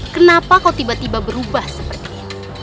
kenapa kau tiba tiba berubah seperti ini